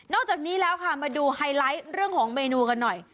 จากนี้แล้วค่ะมาดูไฮไลท์เรื่องของเมนูกันหน่อย